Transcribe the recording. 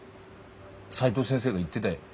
斉藤先生が言ってだよ。